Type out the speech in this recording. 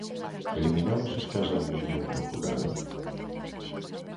¿Eliminamos as casas niño no rural?